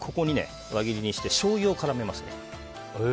輪切りにしてしょうゆを絡めます。